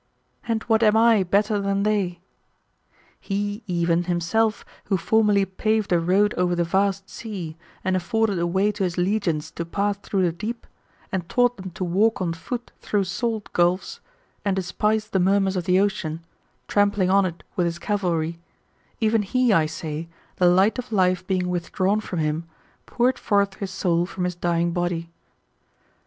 And what am I better than they ? He, even, himself, who formerly paved a road over the vast sea, and afforded a way to his legions to pass through the deep, and taught them to walk on loot through salt gulfs, and despised the murmurs of the ocean, trampling on it with his cavidry ; even he, I say, the light of life being withdrawn from him, poured forth his soul from lus dying body.